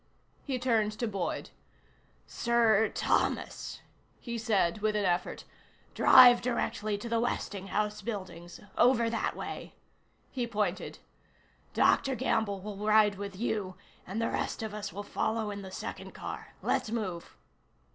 He turned to Boyd. "Sir Thomas," he said with an effort, "drive directly to the Westinghouse buildings. Over that way." He pointed. "Dr. Gamble will ride with you, and the rest of us will follow in the second car. Let's move."